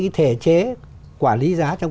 cái thể chế quản lý giá trong